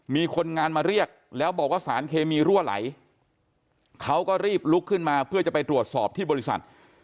มีคนงานมาเรียกแล้วบอกว่าสารเคมีรั่วไหลเขาก็รีบลุกขึ้นมาเพื่อจะไปตรวจสอบที่บริษัท